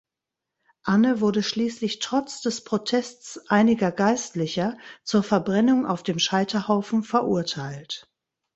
Anne wurde schließlich trotz des Protests einiger Geistlicher zur Verbrennung auf dem Scheiterhaufen verurteilt.